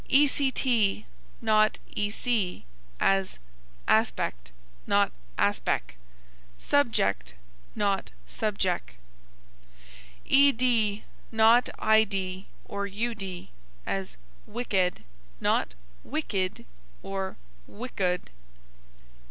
ect, not ec, as aspect, not aspec; subject, not subjec. ed, not id, or ud, as wicked, not wickid or wickud.